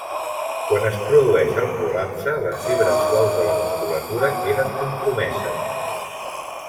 Quan es produeix el prolapse, les fibres suaus de la musculatura queden compromeses.